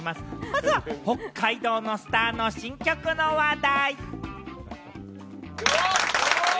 まずは北海道のスターの新曲の話題。